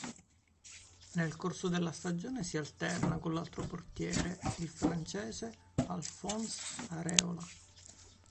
Nel corso della stagione si alterna con l'altro portiere, il francese Alphonse Areola.